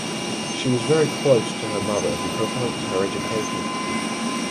She was very close to her mother who provided her education.